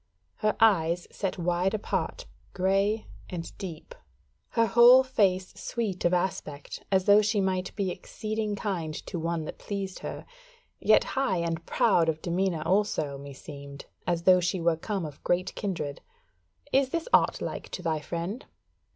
Her eyes set wide apart, grey and deep: her whole face sweet of aspect, as though she might be exceeding kind to one that pleased her; yet high and proud of demeanour also, meseemed, as though she were come of great kindred. Is this aught like to thy friend?"